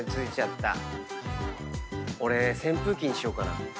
俺扇風機にしようかな。